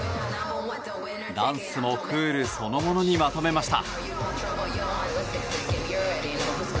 ダンスもクールそのものにまとめました。